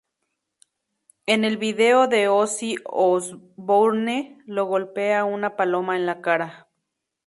En el video a Ozzy Osbourne lo golpea una paloma en la cara.